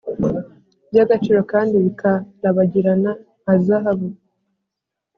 by’agaciro kandi bika rabagirana nka zahabu